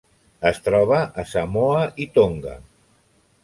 Es troba a Samoa i Tonga.